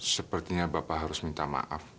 sepertinya bapak harus minta maaf